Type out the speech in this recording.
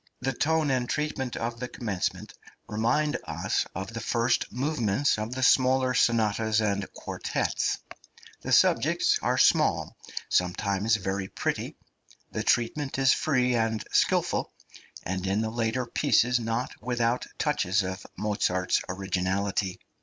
The tone and treatment of the commencement remind us of the first movements of the smaller sonatas and quartets; the subjects are small, sometimes very pretty'; the treatment is free and skilful, and in the later pieces not without touches of Mozart's originality.